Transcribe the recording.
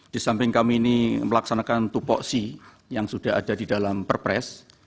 di samping kami ini melaksanakan tupoksi yang sudah ada di dalam perpres